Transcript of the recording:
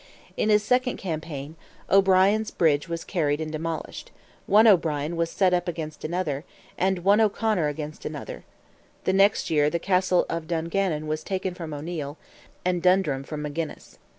In his second campaign, O'Brien's bridge was carried and demolished, one O'Brien was set up against another, and one O'Conor against another; the next year the Castle of Dungannon was taken from O'Neil, and Dundrum from Magennis.